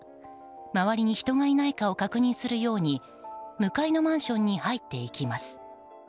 周りに人がいないかを確認するように向かいのマンションに入っていきます。